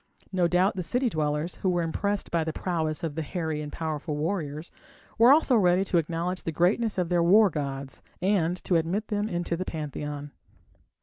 No doubt the city dwellers, who were impressed by the prowess of the hairy and powerful warriors, were also ready to acknowledge the greatness of their war gods, and to admit them into the pantheon.